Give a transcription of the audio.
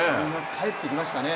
帰ってきましたね。